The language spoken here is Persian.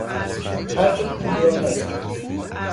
حرف پول را نزد.